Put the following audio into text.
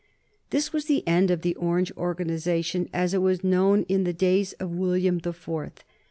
This was the end of the Orange organization, as it was known in the days of William the Fourth.